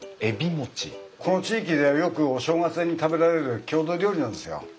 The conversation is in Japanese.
この地域ではよくお正月に食べられる郷土料理なんですよ。